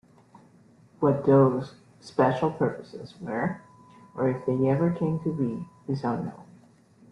What those "special purposes" were, or if they ever came to be, is unknown.